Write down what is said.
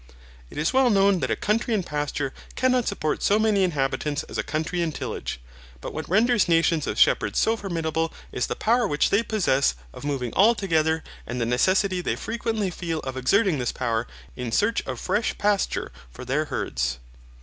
It is well known that a country in pasture cannot support so many inhabitants as a country in tillage, but what renders nations of shepherds so formidable is the power which they possess of moving all together and the necessity they frequently feel of exerting this power in search of fresh pasture for their herds.